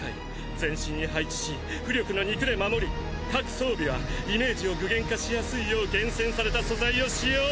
全身に配置し巫力の肉で守り各装備はイメージを具現化しやすいよう厳選された素材を使用。